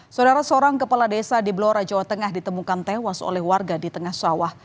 saudara seorang kepala desa di blora jawa tengah ditemukan tewas oleh warga di tengah sawah